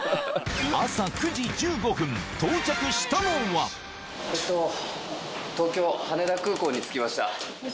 朝９時１５分到着したのはえっと東京・羽田空港に着きました。